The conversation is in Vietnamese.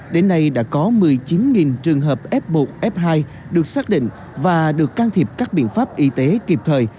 đến nay đã có một mươi chín trường hợp f một f hai được xác định và được can thiệp các biện pháp y tế kịp thời